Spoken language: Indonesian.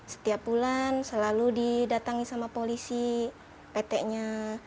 setiap bulan selalu didatangi sama polisi pt nya